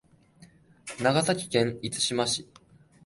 長崎県五島市